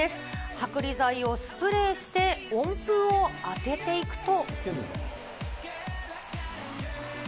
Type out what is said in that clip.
剥離剤をスプレーして、温風を当てていくと。